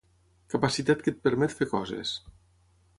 Capacitat que et permet fer coses.